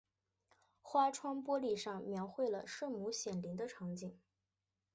花窗玻璃上描绘了圣母显灵的场景。